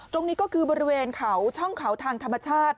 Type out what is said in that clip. ตรงนี้ก็คือบริเวณเขาช่องเขาทางธรรมชาติ